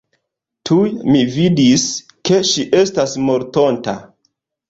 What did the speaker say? Tuj mi vidis, ke ŝi estas mortonta.